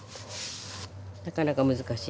なかなか難しい。